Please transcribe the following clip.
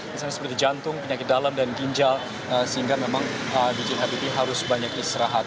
misalnya seperti jantung penyakit dalam dan ginjal sehingga memang bghb harus banyak istirahat